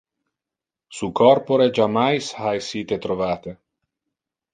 Su corpore jammais ha essite trovate.